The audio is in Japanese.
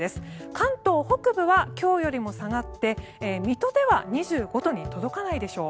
関東北部は今日よりも下がって水戸では２５度に届かないでしょう。